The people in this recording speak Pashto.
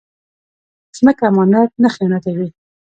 ځمکه امانت نه خیانتوي